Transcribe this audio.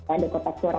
ada kotak suara